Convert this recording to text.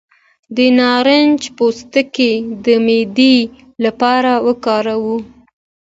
د نارنج پوستکی د معدې لپاره وکاروئ